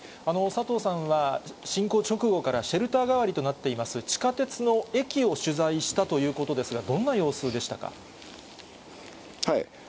佐藤さんは侵攻直後からシェルター代わりとなっている地下鉄の駅を取材したということですが、どんな様子でしたか。